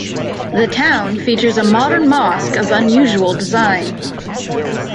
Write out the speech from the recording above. The town features a modern mosque of unusual design.